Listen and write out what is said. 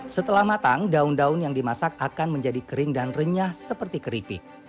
setelah matang daun daun yang dimasak akan menjadi kering dan renyah seperti keripik